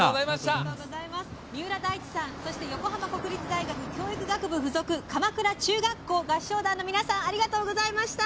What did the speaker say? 三浦大知さんそして横浜国立大学教育学部附属鎌倉中学校合唱団の皆さんありがとうございました！